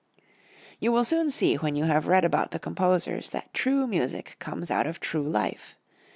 You will soon see when you have read about the composers that true music comes out of true life.